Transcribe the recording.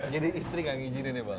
jadi istri tidak mengizinkan ya bang